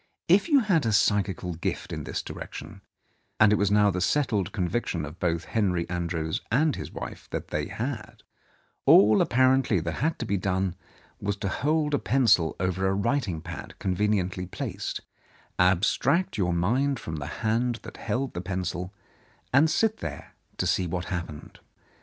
If you had a psychical gift in this direction — and it was now the settled conviction of both Henry Andrews and his wife that they had — all apparently that had to be done was to hold a pencil over a writing pad conveniently placed, abstract your mind from the hand that held the pencil, and sit there to see what happened.